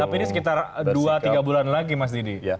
tapi ini sekitar dua tiga bulan lagi mas didi